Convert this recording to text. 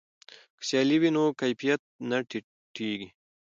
که سیالي وي نو کیفیت نه ټیټیږي.